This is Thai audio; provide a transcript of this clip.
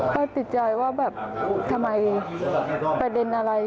ก็ติดใจว่าแบบทำไมประเด็นอะไร